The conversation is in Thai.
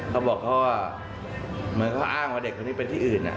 เขาบอกเขาว่าเหมือนเขาอ้างว่าเด็กคนนี้เป็นที่อื่น